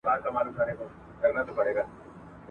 پښتو بې لیکوالانو نه ده.